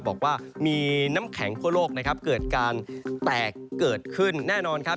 บอกว่ามีน้ำแข็งทั่วโลกนะครับเกิดการแตกเกิดขึ้นแน่นอนครับ